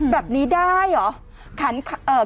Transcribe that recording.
แบบนี้ได้เหรอ